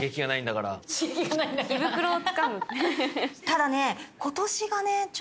ただね。